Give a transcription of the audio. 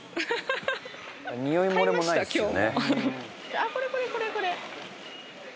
あっこれこれこれこれ！